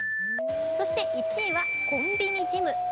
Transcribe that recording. そして１位はコンビニジム。